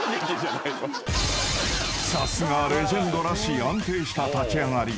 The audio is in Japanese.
［さすがレジェンドらしい安定した立ち上がり］